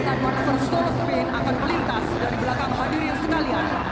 bukan manufaktur solo spin akan melintas dari belakang hadirin sekalian